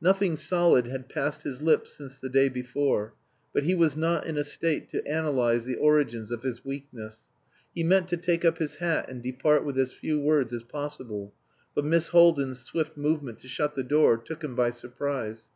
Nothing solid had passed his lips since the day before, but he was not in a state to analyse the origins of his weakness. He meant to take up his hat and depart with as few words as possible, but Miss Haldin's swift movement to shut the door took him by surprise.